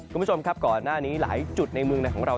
คุณผู้ชมครับก่อนหน้านี้หลายจุดในเมืองในของเรา